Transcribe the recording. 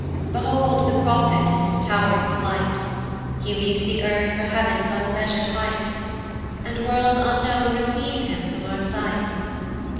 Behold the prophet in his tow'ring flight! He leaves the earth for heav'n's unmeasur'd height, And worlds unknown receive him from our sight.